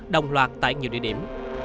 đồng loạt tại nhiều địa điểm